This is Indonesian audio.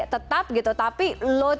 tetap gitu tapi load